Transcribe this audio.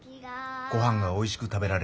ごはんがおいしく食べられるんだ。